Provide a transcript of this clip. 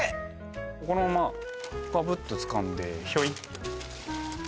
このままガブッとつかんでヒョイあ